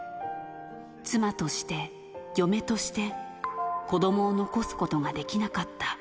妻として、嫁として、子どもを残すことができなかった。